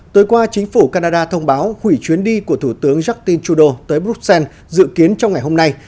tối qua chính phủ canada thông báo hủy chuyến đi của thủ tướng justin trudeau tới bruxelles dự kiến trong ngày hôm nay